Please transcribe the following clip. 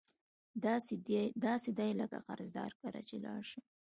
داسي دي لکه قرضدار کره چی لاړ شم